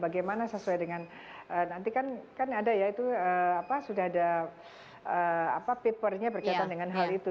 bagaimana sesuai dengan nanti kan ada ya itu sudah ada papernya berkaitan dengan hal itu